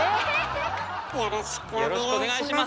よろしくお願いします。